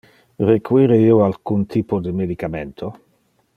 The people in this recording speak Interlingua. Require io alcun typo de medicamento?